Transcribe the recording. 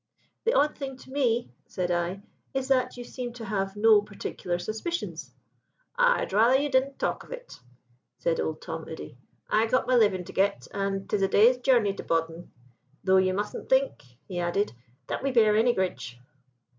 "'The odd thing to me,' said I, 'is that you seem to have no particular suspicions.' "'I'd rather you didn' talk of it,' said Old Tom Udy. 'I got my living to get, and 'tis a day's journey to Bodmin. Tho' you musn' think,' he added, 'that we bear any gridge.'